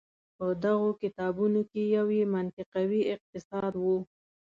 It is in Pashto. په دغو کتابونو کې یو یې منطقوي اقتصاد و.